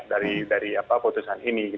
dari dari apa keputusan ini